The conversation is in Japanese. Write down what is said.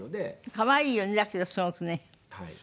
可愛いよねだけどすごくねお母様ね。